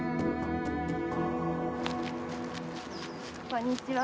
こんにちは。